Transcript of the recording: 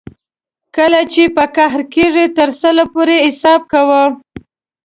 کله چې په قهر کېږې تر سل پورې حساب کوه.